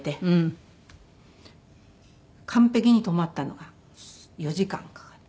完璧に止まったのが４時間かかった。